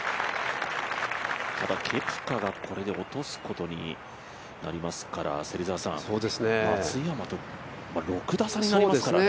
ただケプカがこれで落とすことになりますから松山と６打差になりますからね。